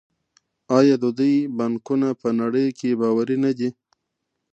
آیا د دوی بانکونه په نړۍ کې باوري نه دي؟